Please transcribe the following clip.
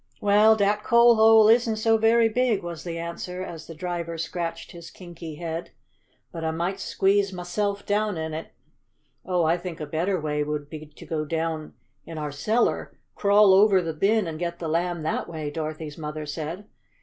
"Well, dat coal hole isn't so very big," was the answer, as the driver scratched his kinky head. "But I might squeeze mahse'f down in it." "Oh, I think a better way would be to go down in our cellar, crawl over the bin, and get the Lamb that way," Dorothy's mother said.